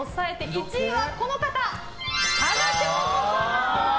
１位はこの方、深田恭子さん。